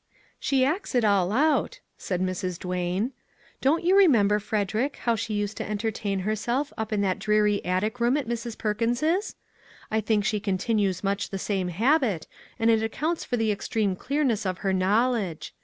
" She acts it all out," said Mrs. Duane. " Don't you remember, Frederick, how she used to entertain herself up in that dreary attic room at Mrs. Perkins's ? I think she continues much the same habit, and it accounts for the extreme clearness of her knowledge.